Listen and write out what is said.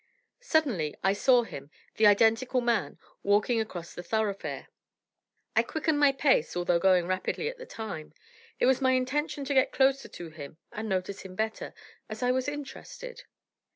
Suddenly I saw him the identical man walking across the thoroughfare. I quickened my pace, although going rapidly at the time. It was my intention to get closer to him and notice him better, as I was interested.